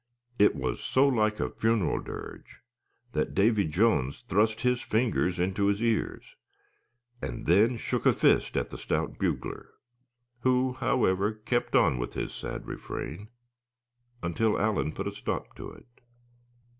It was so like a funeral dirge that Davy Jones thrust his fingers in his ears; and then shook a fist at the stout bugler; who however kept on with his sad refrain until Allan put a stop to it.